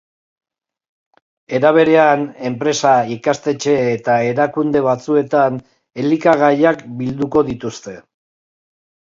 Era berean, enpresa, ikastetxe eta erakunde batzuetan elikagaiak bilduko dituzte.